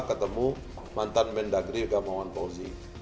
ketemu mantan mendagri gamawan fauzi